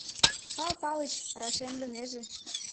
— Пал Палыч рашемдынеже.